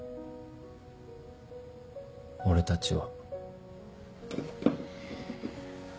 俺たちは。